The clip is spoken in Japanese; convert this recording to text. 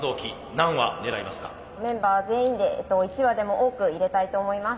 メンバー全員で１羽でも多く入れたいと思います。